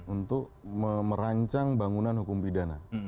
untuk merancang bangunan hukum pidana